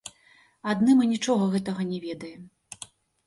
Адны мы нічога гэтага не ведаем!